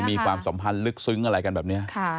ความสัมพันธ์ลึกซึ้งอะไรกันแบบนี้